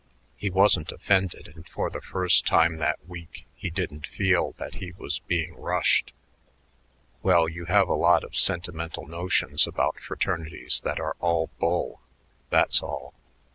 He wasn't offended, and for the first time that week he didn't feel that he was being rushed. "Well, you have a lot of sentimental notions about fraternities that are all bull; that's all.